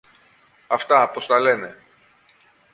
αυτά, πώς τα λένε.